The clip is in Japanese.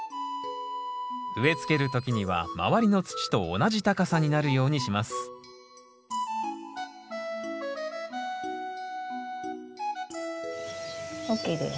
植え付ける時には周りの土と同じ高さになるようにしますＯＫです。